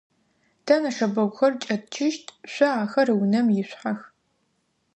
Тэ нэшэбэгухэр кӏэтчыщт, шъо ахэр унэм ишъухьэх.